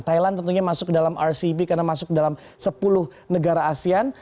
thailand tentunya masuk ke dalam rcep karena masuk dalam sepuluh negara asean